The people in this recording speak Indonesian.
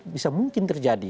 bisa mungkin terjadi